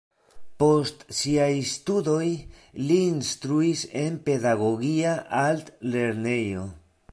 Post siaj studoj li instruis en pedagogia altlernejo.